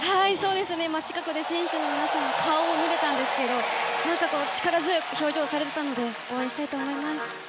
近くで選手の皆さんの顔を見れたんですけど力強い表情をされていたので応援したいと思います。